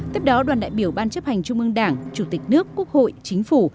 tiếp đó đoàn đại biểu ban chấp hành trung ương đảng chủ tịch nước quốc hội chính phủ